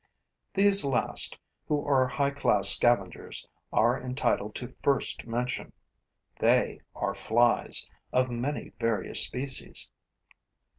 These last, who are high class scavengers, are entitled to first mention. They are flies, of many various species.